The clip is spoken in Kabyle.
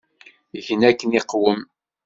Gen akken iqwem.